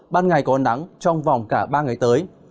ban ngày có nắng trong vòng cả ba ngày tới